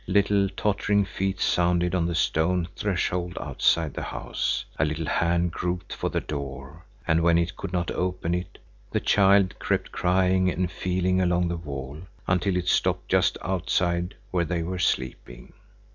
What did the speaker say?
Little, tottering feet sounded on the stone threshold outside the house, a little hand groped for the door, and when it could not open it, the child crept crying and feeling along the wall, until it stopped just outside where they were sleeping.